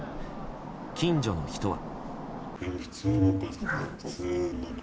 近所の人は。